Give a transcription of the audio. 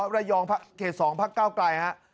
รายองเขต๒พักเก้าไกลนะครับ